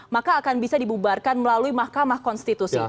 maka akan bisa dibubarkan melalui mahkamah konstitusi